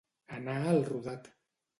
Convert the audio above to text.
Anar al rodat.